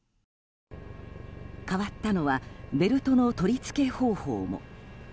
変わったのはベルトの取り付け方法も。